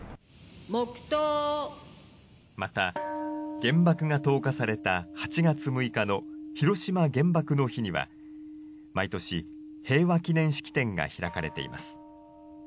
また、原爆が投下された８月６日の広島原爆の日には、毎年、平和記念式典が開かれています。